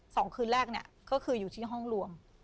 สองคืนแรกเนี่ยก็คืออยู่ที่ห้องรวม